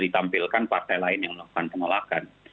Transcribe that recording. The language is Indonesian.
ditampilkan partai lain yang menolakkan